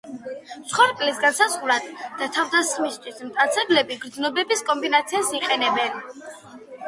მსხვერპლის განსასაზღვრად და თავდასხმისთვის მტაცებლები გრძნობების კომბინაციას იყენებენ.